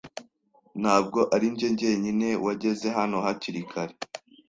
Ntabwo ari njye jyenyine wageze hano hakiri kare.